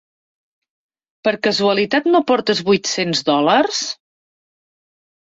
Per casualitat no portes vuit-cents dòlars?